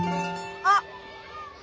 あっ！